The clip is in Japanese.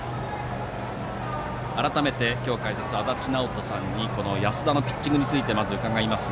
改めて、今日解説の足達尚人さんに安田のピッチングについて伺います。